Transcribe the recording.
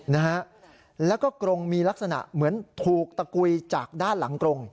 นะฮะแล้วก็กรงมีลักษณะเหมือนถูกตะกุยจากด้านหลังกรง